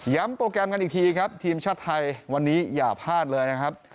โปรแกรมกันอีกทีครับทีมชาติไทยวันนี้อย่าพลาดเลยนะครับ